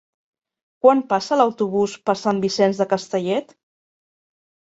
Quan passa l'autobús per Sant Vicenç de Castellet?